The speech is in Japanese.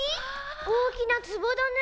おおきなつぼだね。